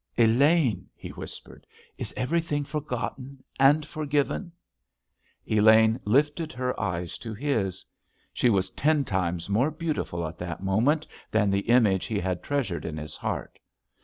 "Elaine," he whispered, "is everything forgotten and forgiven?" Elaine lifted her eyes to his. She was ten times more beautiful at that moment than the image he had treasured in his heart.